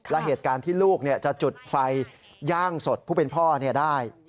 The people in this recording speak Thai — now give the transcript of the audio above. และเหตุการณ์ที่ลูกจะจุดไฟย่างสดผู้เป็นพ่อได้